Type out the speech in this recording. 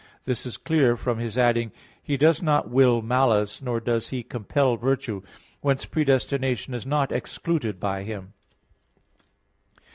This is clear from his adding: "He does not will malice, nor does He compel virtue." Whence predestination is not excluded by Him.